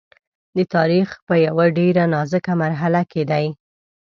د تاریخ په یوه ډېره نازکه مرحله کې دی.